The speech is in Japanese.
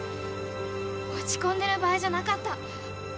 落ち込んでる場合じゃなかった！